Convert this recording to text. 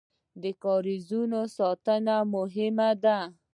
د کاریزونو ساتنه مهمه ده